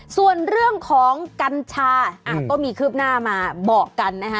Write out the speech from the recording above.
ส่วนเรื่องของกัญชาก็มีคืบหน้ามาบอกกันนะคะ